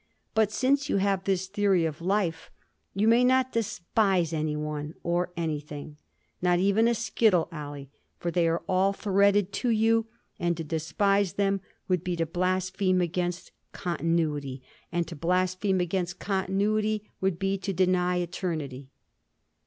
But, since you have this theory of life, you may not despise any one or any thing, not even a skittle alley, for they are all threaded to you, and to despise them would be to blaspheme against continuity, and to blaspheme against continuity would be to deny Eternity.